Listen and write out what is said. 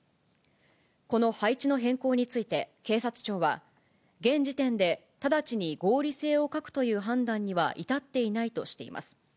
この配置の変更について、警察庁は、現時点で直ちに合理性を欠くという判断には至っていないとしています。